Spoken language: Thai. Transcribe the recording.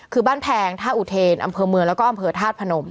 คือบ้านแพงธาตุอุเทนอำเภอเมืองแล้วก็อำเภอธาตุพนม